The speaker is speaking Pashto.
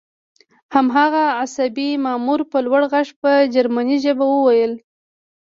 هماغه عصبي مامور په لوړ غږ په جرمني ژبه وویل